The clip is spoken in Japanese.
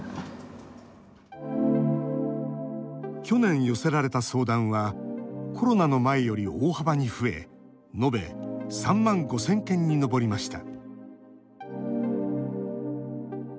去年、寄せられた相談はコロナの前より大幅に増えのべ３万５０００件に上りました。